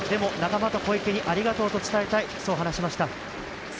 仲間と小池にありがとうと伝えたいと話しました。